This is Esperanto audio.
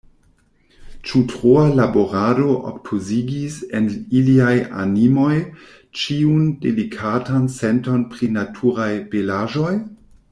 Ĉu troa laborado obtuzigis en iliaj animoj ĉiun delikatan senton pri naturaj belaĵoj?